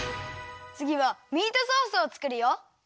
つぎはミートソースをつくるよ。